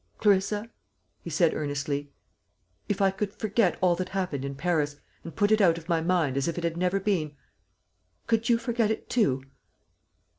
"Clarissa," he said earnestly, "if I could forget all that happened in Paris, and put it out of my mind as if it had never been, could you forget it too?"